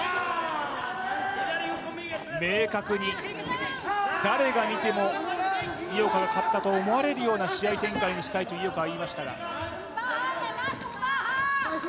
明確に、誰が見ても井岡が勝ったと思われるような試合展開にしたいと井岡は言いましたが。